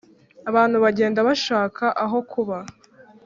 Abantu bagenda bashaka ahokuba.